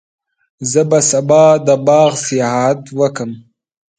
زه به سبا د باغ سیاحت وکړم.